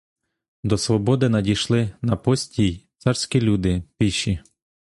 До свободи надійшли на постій царські люди, піші.